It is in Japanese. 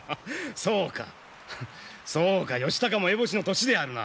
そうかそうか義高もえぼしの年であるな。